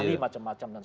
tim ahli dan tadi